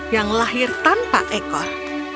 yang lahir tanpa ekor